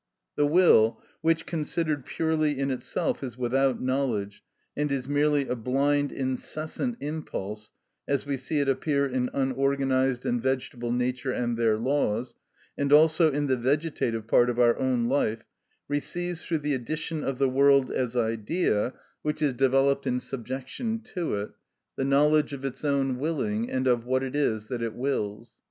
The will, which, considered purely in itself, is without knowledge, and is merely a blind incessant impulse, as we see it appear in unorganised and vegetable nature and their laws, and also in the vegetative part of our own life, receives through the addition of the world as idea, which is developed in subjection to it, the knowledge of its own willing and of what it is that it wills.